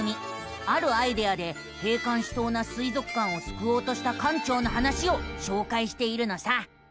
あるアイデアで閉館しそうな水族館をすくおうとした館長の話をしょうかいしているのさ。